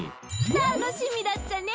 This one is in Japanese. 楽しみだっちゃね。